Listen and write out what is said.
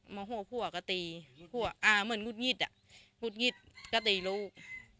มาหัวพวกก็ตีหัวอ่าเหมือนงุดงิดอะงุดงิดก็ตีลูกมันจะเป็นช่วงไม่ได้ดั่งใจก็คือตีลูก